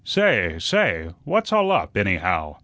"Say, say, what's all up, anyhow?"